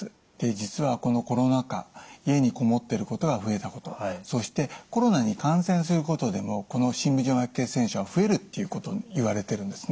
実はこのコロナ禍家にこもっていることが増えたことそしてコロナに感染することでもこの深部静脈血栓症が増えるっていうこといわれているんですね。